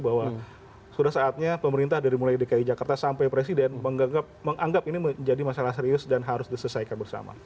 bahwa sudah saatnya pemerintah dari mulai dki jakarta sampai presiden menganggap ini menjadi masalah serius dan harus diselesaikan bersama